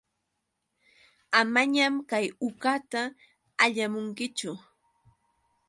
Amañam kay uqata allamunkichu.